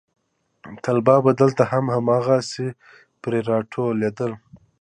طلبا به دلته هم هماغسې پرې راټولېدل.